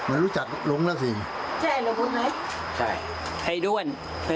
ไอด้วนไอด้วน